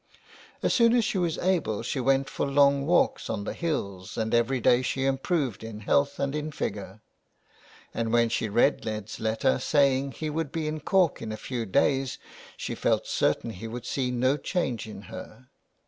As soon as she was able she went for long walks on the hills and every day she improved in health and in figure ; and when she read Ned's letter saying he would be in Cork in a few days she felt certain he would see no change in her.